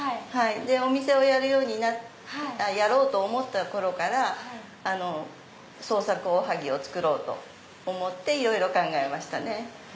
お店をやろうと思った頃から創作おはぎを作ろうと思っていろいろ考えましたね。